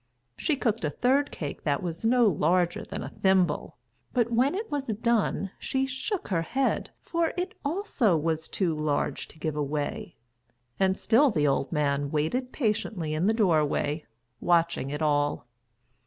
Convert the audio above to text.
She cooked a third cake that was no larger than a thimble. But when it was done, she shook her head, for it also was too large to give away. And still the old man waited patiently in the doorway, watching it all.